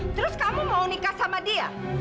terus kamu mau nikah sama dia